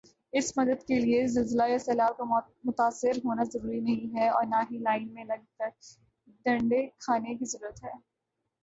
اس مدد کیلئے زلزلہ یا سیلاب کا متاثر ہونا ضروری نہیں ھے اور نہ ہی لائن میں لگ کر ڈانڈے کھانے کی ضرورت ھے